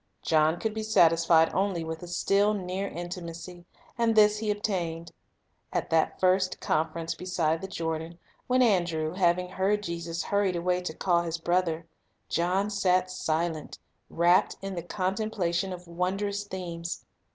John could be satisfied only with a still nearer intimacy, and this he obtained. At that first conference beside the Jordan, when Andrew, having heard Jesus, hurried away to call his brother, John sat silent, rapt in the contemplation of won drous themes.